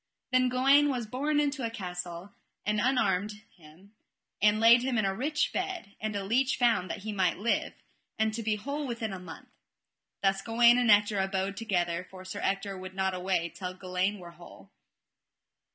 Then Gawaine was borne into a castle and unarmed him, and laid him in a rich bed, and a leech found that he might live, and to be whole within a month. Thus Gawaine and Ector abode together, for Sir Ector would not away till Gawaine were whole.